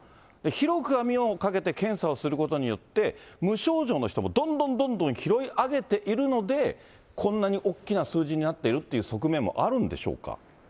広く網をかけて検査をすることによって、無症状の人もどんどんどんどん拾い上げているので、こんなに大きな数字になっているという側面もあるんでしょうか。